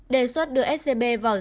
đề xuất đưa scb vào báo cáo